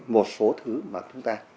một số thứ mà chúng ta